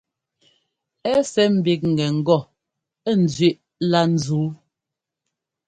Ɛ́ sɛ́ ḿbígɛ ŋgɔ ńzẅíꞌ lá ńzúu.